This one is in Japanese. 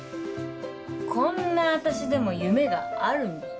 こんな私でも夢があるに。